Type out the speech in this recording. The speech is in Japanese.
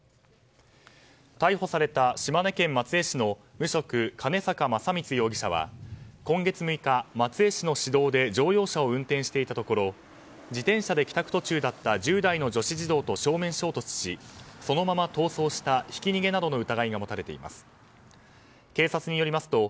逮捕された島根県松江市の無職、金坂政光容疑者は今月６日、松江市の市道で乗用車を運転していたところ自転車で帰宅途中だった１０代の女子児童と正面衝突し、そのまま逃走したひき逃げなどの疑いが持たれています。